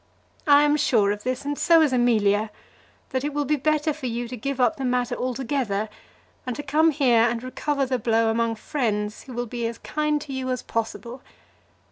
I am sure of this, and so is Amelia, that it will be better for you to give the matter up altogether, and to come here and recover the blow among friends who will be as kind to you as possible.